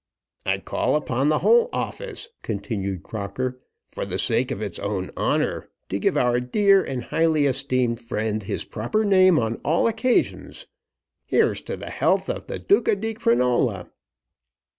"I call upon the whole office," continued Crocker, "for the sake of its own honour, to give our dear and highly esteemed friend his proper name on all occasions. Here's to the health of the Duca di Crinola!"